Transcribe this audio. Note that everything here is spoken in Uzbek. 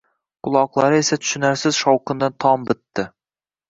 quloqlari esa tushinarsiz shovqindan tom bitdi.